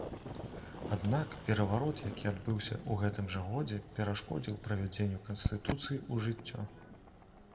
Аднак, пераварот, які адбыўся ў гэтым жа годзе, перашкодзіў правядзенню канстытуцыі ў жыццё.